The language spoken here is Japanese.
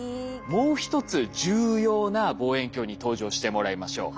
もう一つ重要な望遠鏡に登場してもらいましょう。